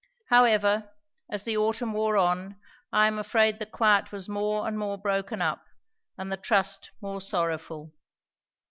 However, as the autumn wore on, I am afraid the quiet was more and more broken up and the trust more sorrowful.